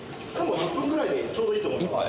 １分くらいでちょうどいいと思います。